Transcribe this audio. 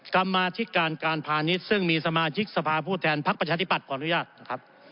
กรรมาธิการการพาณิชย์ซึ่งมีสมาชิกสภาผู้แทนพักประชาธิบัตย์ขออนุญาตนะครับ